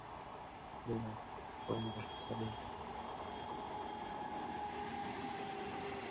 Пакуются внутрь спальника.